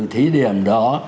thí điểm đó